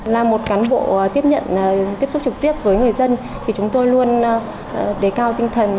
là một cán bộ tiếp nhận tiếp xúc trực tiếp với người dân thì chúng tôi luôn đề cao tinh thần